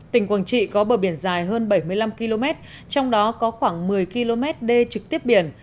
tỉnh quảng trị có bờ biển dài hơn bảy mươi năm km trong đó có khoảng một mươi km đê trực tiếp biển